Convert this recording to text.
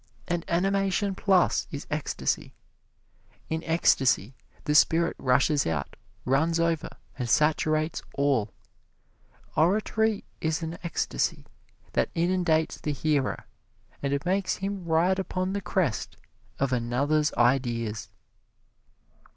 And animation plus is ecstasy. In ecstasy the spirit rushes out, runs over and saturates all. Oratory is an ecstasy that inundates the hearer and makes him ride upon the crest of another's ideas.